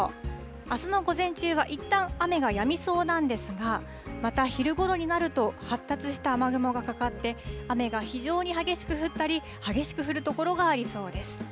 あすの午前中は、いったん雨がやみそうなんですが、また昼頃になると、発達した雨雲がかかって、雨が非常に激しく降ったり、激しく降る所がありそうです。